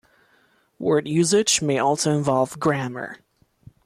Word usage may also involve grammar.